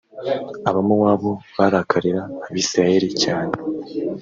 abamowabu barakarira abisirayeli cyane